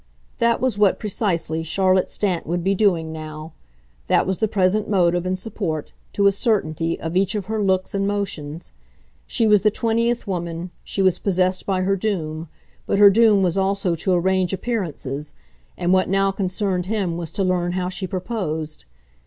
That was what, precisely, Charlotte Stant would be doing now; that was the present motive and support, to a certainty, of each of her looks and motions. She was the twentieth woman, she was possessed by her doom, but her doom was also to arrange appearances, and what now concerned him was to learn how she proposed.